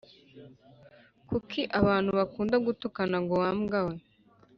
kuki abantu bakunda gutukana ngo wambwa we